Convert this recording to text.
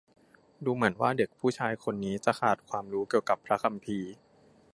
ดูเหมือนว่าเด็กผู้ชายคนนี้จะขาดความรู้เกี่ยวกับพระคัมภีร์